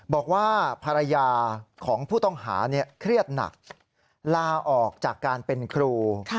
บอกว่าภรรยาของผู้ต้องหาเครียดหนักลาออกจากการเป็นครู